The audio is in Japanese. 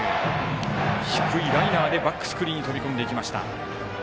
低いライナーでバックスクリーンに放り込んでいきました。